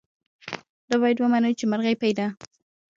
دا باید ومنو چې د مرغۍ پۍ ده.